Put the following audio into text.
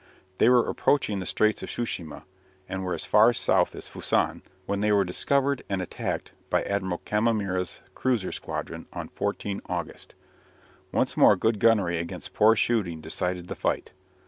They were approaching the straits of Tsu shima, and were as far south as Fusan, when they were discovered and attacked by Admiral Kamimura's cruiser squadron, on 14 August. Once more good gunnery against poor shooting decided the fight.